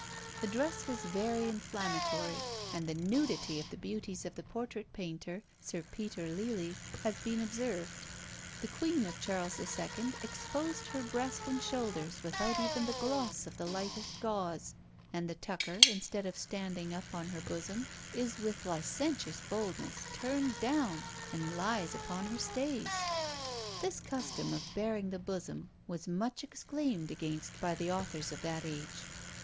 The dress was very inflammatory; and the nudity of the beauties of the portrait painter, Sir Peter Lely, has been observed. The queen of Charles II. exposed her breast and shoulders without even the gloss of the lightest gauze; and the tucker, instead of standing up on her bosom, is with licentious boldness turned down, and lies upon her stays. This custom of baring the bosom was much exclaimed against by the authors of that age.